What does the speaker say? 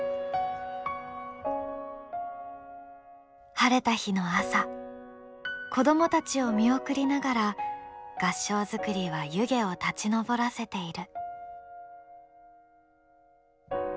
晴れた日の朝子どもたちを見送りながら合掌造りは湯気を立ち上らせている。